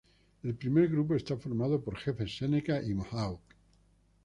El primer grupo está formado por jefes Seneca y Mohawk.